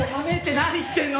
何言ってるの？